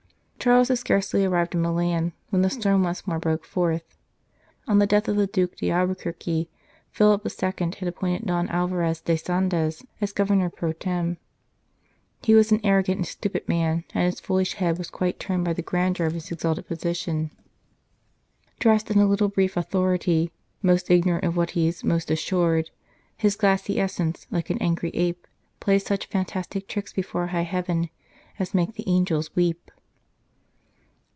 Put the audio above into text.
Charles had scarcely arrived in Milan, when the storm once more broke forth. On the death of the Duke d Albuquerque, Philip II. had appointed Don Alvarez de Sandes as Governor pro tern. He was an arrogant and stupid man, and his foolish head was quite turned by the grandeur of his exalted position. " Dressed in a little brief authority, Most ignorant of what he s most assured His glassy essence like an angry ape, Plays such fantastic tricks before high Heaven As make the angels weep."